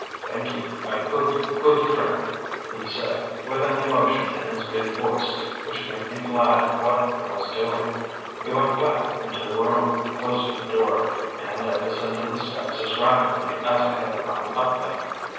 "Thank you, my good, good friend," he said with an emotion in his big voice which made me glad of what I was doing. He went back into the room, closing the door, and I descended the steps as rapidly as I had run up them.